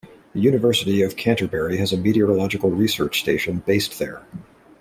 The University of Canterbury has a meteorological research station based there.